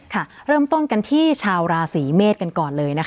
เริ่มต้นกันที่ชาวราศีเมษกันก่อนเลยนะคะ